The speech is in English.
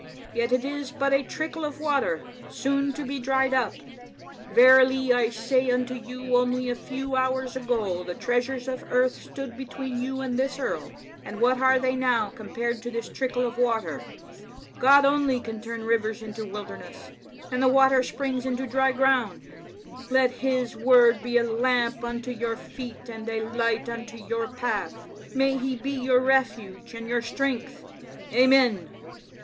Yet it is but a trickle of water, soon to be dried up. Verily, I say Digitized by VjOOQ IC Bnd of the Z^cnt^^tont f>ouc0. 867 unto you, only a few hours ago the treasures of earth stood between you and this earl, and what are they now compared to this trickle of water? God only can turn rivers into a wilderness, and the water springs into dry ground. Let His Word be a lamp unto your feet and a light unto your path ; may He be your refuge and your strength. Amen.